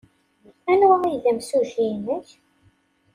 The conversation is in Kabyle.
Anwa ay d imsujji-nnek?